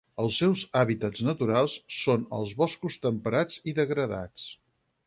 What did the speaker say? Els seus hàbitats naturals són els boscos temperats i degradats.